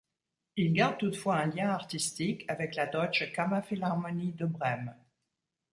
Il garde toutefois un lien artistique avec la Deutsche Kammerphilharmonie de Brême.